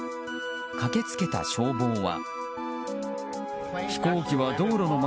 駆けつけた消防は。